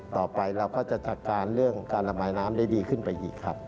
ต่อไปเราก็จะจัดการเรื่องการระบายน้ำได้ดีขึ้นไปอีกครับ